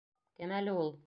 Кем әле ул?